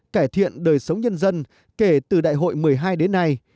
cải thiện đời sống nhân dân kể từ đại hội một mươi hai đến nay